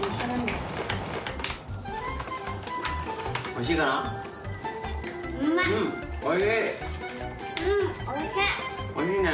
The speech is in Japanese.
おいしいね。